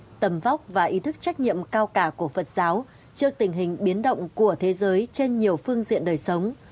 đại lễ vê sát liên hợp quốc hai nghìn một mươi chín đã đạt được một thức trách nhiệm cao cả của phật giáo trước tình hình biến động của thế giới trên nhiều phương diện đời sống